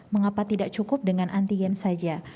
mengapa tidak cukup dengan antigen saja